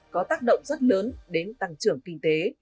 có tác động rất lớn đến tăng trưởng kinh tế